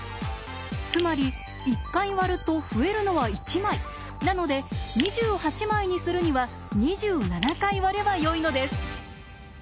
つまり１回割ると増えるのは１枚なので２８枚にするには２７回割ればよいのです。